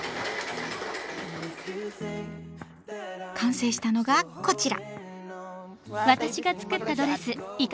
完成したのがこちら！